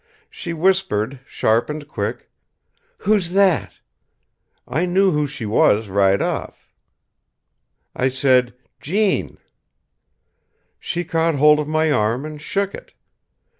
She whispered, sharp and quick, 'Who's that?' I knew who she was, right off. I said, 'Gene.' "She caught hold of my arm and shook it.